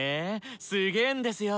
すげんですよ。